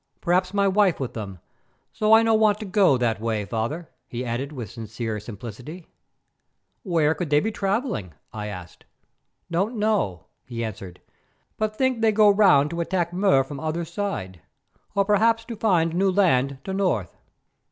"Perhaps my wife with them, so I no want to go that way, father," he added with sincere simplicity. "Where could they be travelling?" I asked. "Don't know," he answered, "but think they go round to attack Mur from other side, or perhaps to find new land to north."